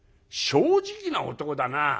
「正直な男だな。